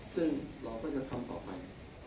ซึ่งเราก็จะทำต่อไป